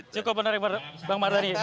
cukup benar bang mardhani